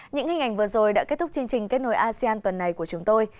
những hình ảnh vừa rồi đã kết thúc chương trình kết nối asean tuần này của chúng tôi